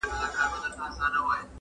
• د دې زوی په شکایت یمه راغلې -